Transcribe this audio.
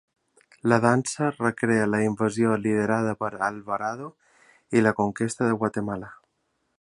La dansa recrea la invasió liderada per Alvarado i la conquesta de Guatemala.